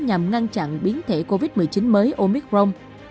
nhằm ngăn chặn biến thể covid một mươi chín mới omicron